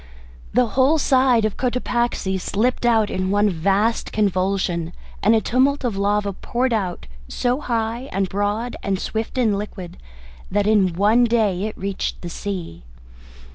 The whole side of Cotopaxi slipped out in one vast convulsion, and a tumult of lava poured out so high and broad and swift and liquid that in one day it reached the sea.